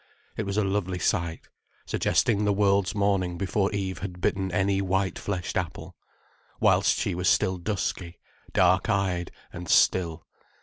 It was a lovely sight, suggesting the world's morning, before Eve had bitten any white fleshed apple, whilst she was still dusky, dark eyed, and still.